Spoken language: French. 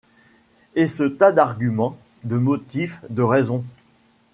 Et ce tas d'arguments, de motifs, de raisons